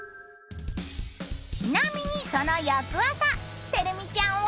ちなみにその翌朝てるみちゃんは。